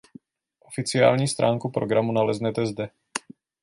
Oficiální stránku programu naleznete zde.